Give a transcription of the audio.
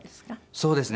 そうですね。